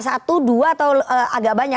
satu dua atau agak banyak